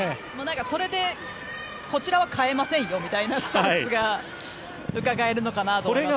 それでこちらは変えませんよみたいなスタンスがうかがえるのかなと思いますけど。